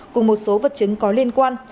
cùng một số vật chứng có liên quan